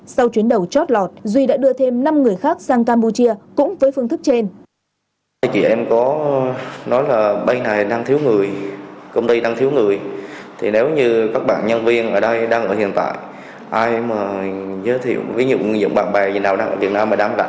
sau chuyến đầu chót lọt duy đã đưa thêm năm người khác sang campuchia cũng với phương thức trên